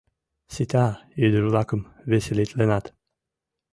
Сита, ӱдыр-влакым веселитленат.